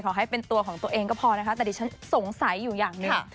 ขอให้เป็นตัวของตัวเองก็พอนะคะแต่ดิฉันสงสัยอยู่อย่างหนึ่ง